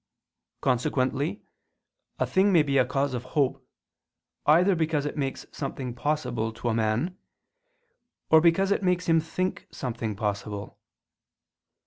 Consequently a thing may be a cause of hope, either because it makes something possible to a man: or because it makes him think something possible.